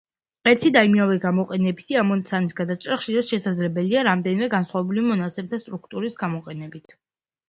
ერთი და იმავე გამოყენებითი ამოცანის გადაჭრა ხშირად შესაძლებელია რამდენიმე განსხვავებული მონაცემთა სტრუქტურის გამოყენებით.